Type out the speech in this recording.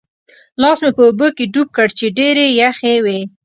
لاس مې په اوبو کې ډوب کړ چې ډېرې یخې وې.